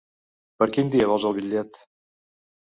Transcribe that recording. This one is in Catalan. Per quin dia vol el bitllet?